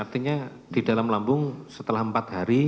artinya di dalam lambung setelah empat hari